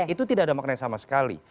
itu tidak ada makna yang sama sekali